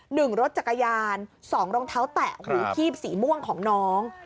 หนึ่งรถจักรยานสองรองเท้าแตะหูคีบสีม่วงของน้อง